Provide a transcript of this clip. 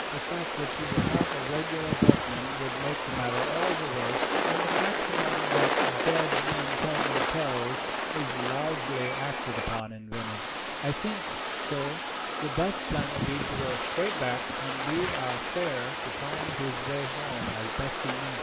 The fact that you were not a regular boatman would make the matter all the worse, and the maxim that 'dead men tell no tales' is largely acted upon in Venice. "I think, sir, the best plan will be to row straight back, and leave our fare to find his way home as best he may."